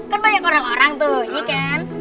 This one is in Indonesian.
kan banyak orang orang tuh ini kan